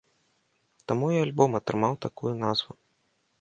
Таму і альбом атрымаў такую назву.